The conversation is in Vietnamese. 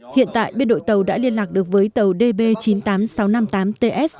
hiện tại biên đội tàu đã liên lạc được với tàu db chín mươi tám nghìn sáu trăm năm mươi tám ts